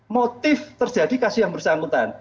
motif terjadi kasus yang bersangkutan